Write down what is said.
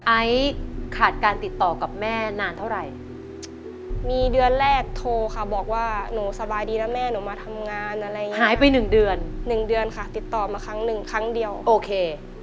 ไอซ์ขาดการติดต่อกับแม่นานเท่าไหร่มีเดือนแรกโทรค่ะบอกว่าหนูสบายดีแล้วแม่หนูมาทำงานอะไรอย่างนี้หายไปหนึ่งเดือนหนึ่งเดือนค่ะติดต่อมาครั้งหนึ่งครั้งเดียวโอเค